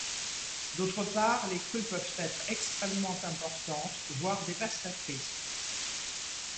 D'autre part les crues peuvent être extrêmement importantes, voire dévastatrices.